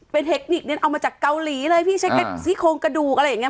เป็นเทคนิคเนี่ยเอามาจากเกาหลีเลยพี่ใช้แค่ซี่โครงกระดูกอะไรอย่างนี้